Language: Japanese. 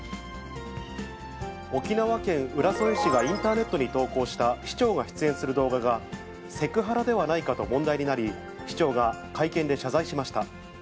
沖縄県浦添市がインターネットに投稿した、市長が出演する動画が、セクハラではないかと問題になり、市長が会見で謝罪しました。